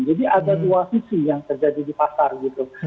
jadi ada dua sisi yang terjadi di pasar gitu